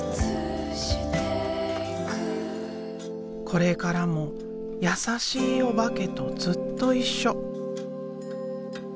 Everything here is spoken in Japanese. これからも優しいおばけとずっと一緒。